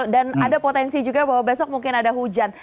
dan ada potensi juga bahwa besok mungkin ada hujan